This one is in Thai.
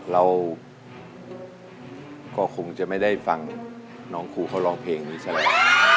เราก็คงจะไม่ได้ฟังน้องครูเขาร้องเพลงนี้ซะแล้ว